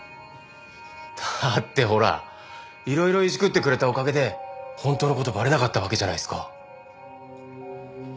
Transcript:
だってほらいろいろいじくってくれたおかげで本当の事バレなかったわけじゃないっすか。